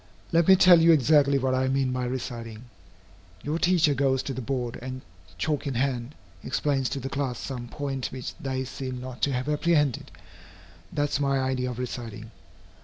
Let me tell you exactly what I mean by reciting. Your teacher goes to the board and, chalk in hand, explains to the class some point which they seem not to have apprehended. That is my idea of reciting.